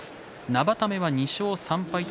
生田目は２勝３敗。